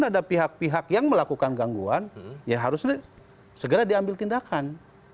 ada pihak pihak yang melakukan gangguan ya harusnya segera diambil tindakan